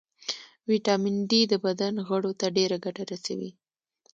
ويټامین ډي د بدن غړو ته ډېره ګټه رسوي